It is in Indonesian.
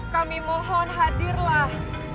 kami mohon hadirlah